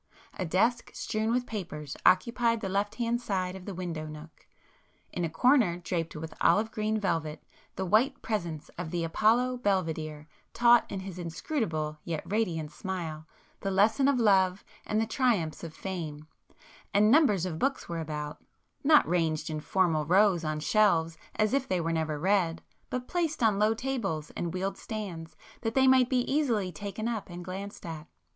A desk strewn with papers occupied the left hand side of the window nook,—in a corner draped with olive green velvet, the white presence of the Apollo Belvedere taught in his inscrutable yet radiant smile, the lesson of love and the triumphs of fame,—and numbers of books were about, not ranged in formal rows on shelves as if they were never read, but placed on low tables and wheeled stands, that they might be easily taken up and glanced at.